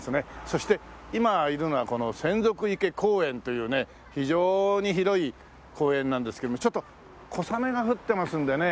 そして今いるのは洗足池公園というね非常に広い公園なんですけどもちょっと小雨が降ってますんでね。